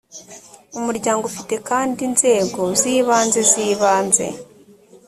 umuryango ufite kandi inzego z ibanze z ibanze